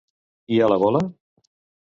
I a la gola?